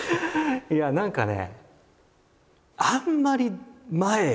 いや何かね